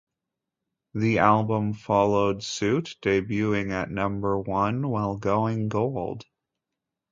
The album followed suit, debuting at number one, while going Gold.